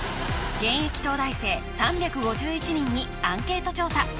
現役東大生３５１人にアンケート調査